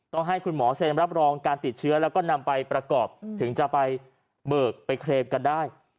ต้องให้คุณหมอเซ็นรับรองการติดเชื้อแล้วก็นำไปประกอบถึงจะไปเบิกไปเคลมกันได้